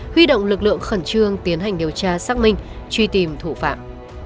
huy động lực lượng khẩn trương tiến hành điều tra xác minh truy tìm thủ phạm